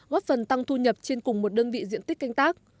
góp phần tăng thu nhập trên cùng một đơn vị diện tích canh tác